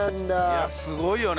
いやすごいよね